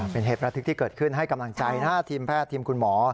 เป็นเหตุประทึกที่เกิดขึ้นให้กำลังใจนะทีมแพทย์ทีมคุณหมอ